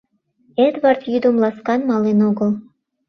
Эдвард йӱдым ласкан мален огыл.